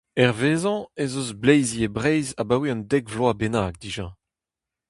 Hervezañ ez eus bleizi e Breizh abaoe un dek vloaz bennak dija.